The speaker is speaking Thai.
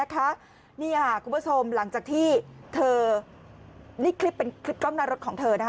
คุณผู้ชมหลังจากที่คลิปเป็นกล้อมนานรถของเธอ